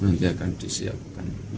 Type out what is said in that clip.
nanti akan disiapkan